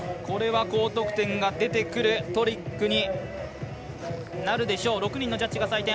これは高得点が出てくるトリックになるでしょう。